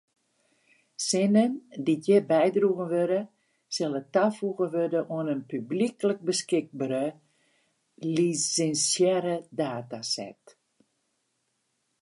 Sinnen dy’t hjir bydroegen wurde sille tafoege wurde oan in publyklik beskikbere lisinsearre dataset.